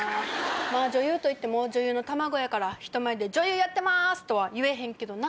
まぁ女優といっても女優の卵やから人前で女優やってます！とは言えへんけどな。